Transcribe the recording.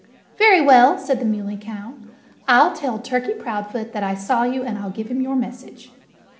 "Very well!" said the Muley Cow. "I'll tell Turkey Proudfoot that I saw you and I'll give him your message."